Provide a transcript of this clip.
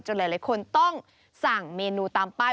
หลายคนต้องสั่งเมนูตามป้าย